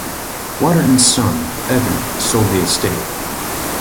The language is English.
Waterton's son, Edmund, sold the estate.